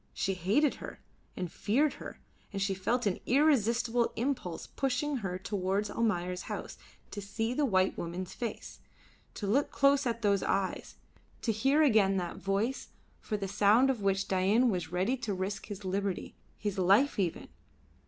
She hated her, and feared her and she felt an irresistible impulse pushing her towards Almayer's house to see the white woman's face, to look close at those eyes, to hear again that voice, for the sound of which Dain was ready to risk his liberty, his life even.